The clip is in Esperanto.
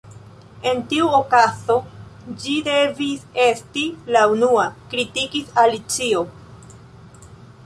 "En tiu okazo, ĝi devis esti la unua," kritikis Alicio.